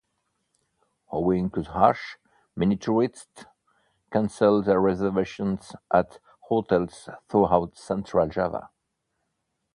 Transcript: Owing to the ash, many tourists cancelled their reservations at hotels throughout Central Java.